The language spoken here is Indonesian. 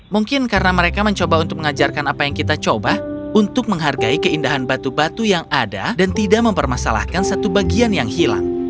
mungkin karena mereka mencoba untuk mengajarkan apa yang kita coba untuk menghargai keindahan batu batu yang ada dan tidak mempermasalahkan satu bagian yang hilang